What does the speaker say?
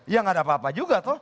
ya gak ada apa apa juga toh